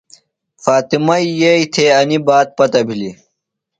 فاطمئی یئی تھےۡ انیۡ بات پتہ بِھلیۡ۔